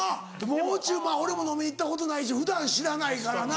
もう中俺も飲みに行ったことないし普段知らないからな。